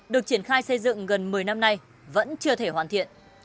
được triển khai xây dựng gần một mươi năm nay vẫn chưa thể hoàn thiện